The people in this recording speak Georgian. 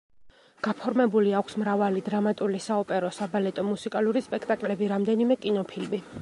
გაფორმებული აქვს მრავალი დრამატული, საოპერო, საბალეტო, მუსიკალური სპექტაკლები, რამდენიმე კინოფილმი.